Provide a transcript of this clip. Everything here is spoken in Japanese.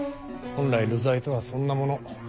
本来流罪とはそんなもの。